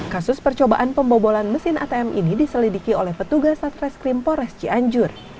kasus percobaan pembobolan mesin atm ini diselidiki oleh petugas satreskrim pores cianjur